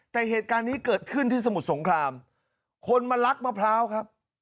แต่เหตุการณ์นี้เกิดขึ้นที่สมุทรสงครามคนมาลักมะพร้าวครับ